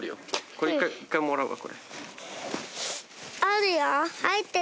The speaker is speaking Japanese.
これ一回もらうわこれ。